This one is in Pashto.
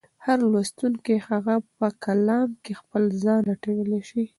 هر لوستونکی د هغه په کلام کې خپل ځان لټولی شي.